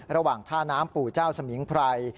ระหว่างท่าน้ำปู่เจ้าสมิงไพร